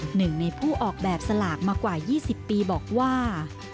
หนึ่งในผู้ออกแบบสลากมากว่า๒๐ปีบอกว่า